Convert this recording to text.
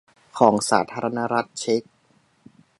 ของสาธารณรัฐเชก